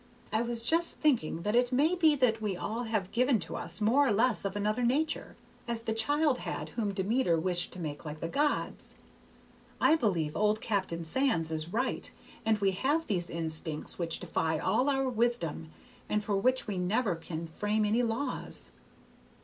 I was just thinking that it may be that we all have given to us more or less of another nature, as the child had whom Demeter wished to make like the gods. I believe old Captain Sands is right, and we have these instincts which defy all our wisdom and for which we never can frame any laws.